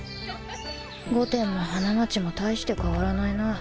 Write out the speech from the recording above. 御殿も花街も大して変わらないな